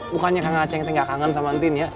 bukannya kang acing kak acing gak kangen sama ntin ya